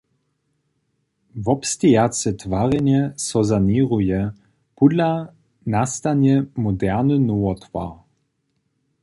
Wobstejace twarjenje so saněruje, pódla nastanje moderny nowotwar.